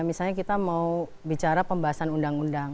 misalnya kita mau bicara pembahasan undang undang